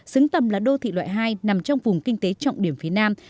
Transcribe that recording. xứng tầm là đô thị loại hai nằm trong vùng kinh tế trọng điểm phía nam